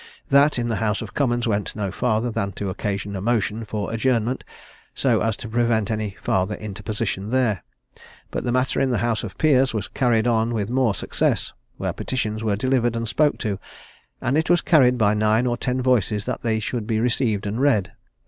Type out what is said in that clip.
That in the House of Commons went no farther than to occasion a motion for adjournment, so as to prevent any farther interposition there; but the matter in the House of Peers was carried on with more success, where petitions were delivered and spoke to, and it was carried by nine or ten voices that they should be received and read.